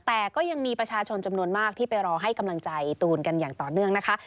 แต่ก็ยังมีประชาชนจำนวนมากที่ไปรอให้กำลังใจตูนกันอย่างต่อเนื่องนะคะ